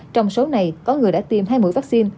trong số này có người đã tiêm hai mũi vaccine